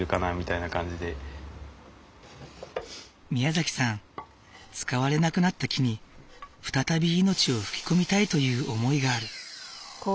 みやざきさん使われなくなった木に再び命を吹き込みたいという思いがある。